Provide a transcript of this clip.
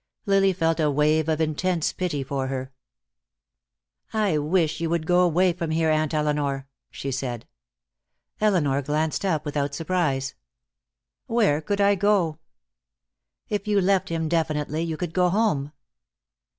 Lily felt a wave of intense pity for her. "I wish you would go away from here, Aunt Elinor," she said. Elinor glanced up, without surprise. "Where could I go?" "If you left him definitely, you could go home."